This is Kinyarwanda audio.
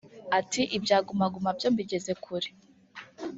Ati “Ibya Guma Guma byo mbigeze kure